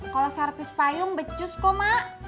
kalau servis payung becus kok mak